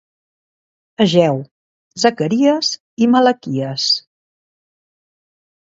Ageu, Zacaries i Malaquies.